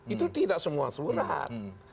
itu tidak semua surat